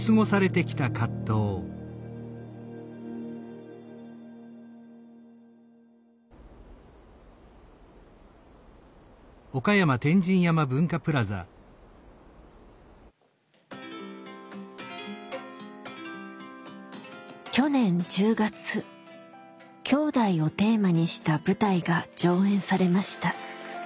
「きょうだい」をテーマにした舞台が上演されました。